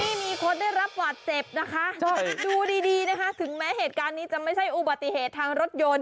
ไม่มีคนได้รับบาดเจ็บนะคะดูดีดีนะคะถึงแม้เหตุการณ์นี้จะไม่ใช่อุบัติเหตุทางรถยนต์